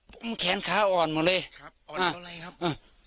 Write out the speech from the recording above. ผมแขนขาอ่อนหมดเลยครับอ่อนเท่าไรครับอ่า